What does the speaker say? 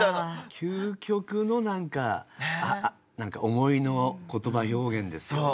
究極の何か何か思いの言葉表現ですよね。